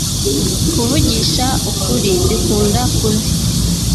kuvugisha ukuri mbikunda kubi